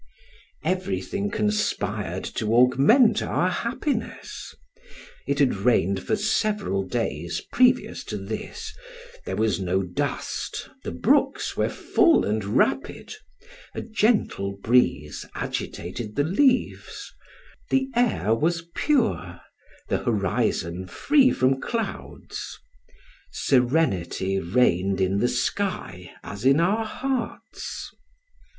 Everything conspired to augment our happiness: it had rained for several days previous to this, there was no dust, the brooks were full and rapid, a gentle breeze agitated the leaves, the air was pure, the horizon free from clouds, serenity reigned in the sky as in our hearts.